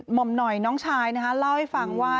หม่อมน้อยน้องชายนะคะเล่าให้ฟังว่า